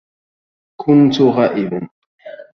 كنت غائبا.